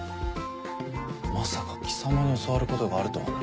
まさか貴様に教わることがあるとはな。